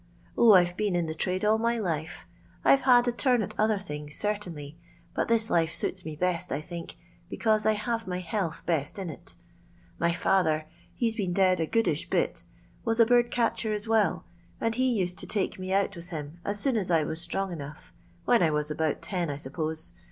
0, I 've been in the trade all my life ; I 've had a turn at other things, certainly, but this life suits me best, I think, because I have my health beat in it My father — he 's been dead a goodish bit — was a bird catcher as well, and he used to take me out with him as soon as I was strong enough ; when I was about ten, I suppose.